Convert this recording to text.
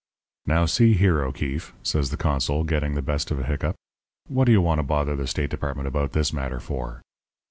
"'Now, see here, O'Keefe,' says the consul, getting the best of a hiccup, 'what do you want to bother the State Department about this matter for?'